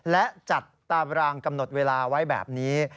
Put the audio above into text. และจัดตามรางกำหนดเวลาไว้แบบนี้